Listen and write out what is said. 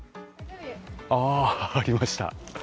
ありました。